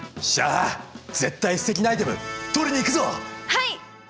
はい！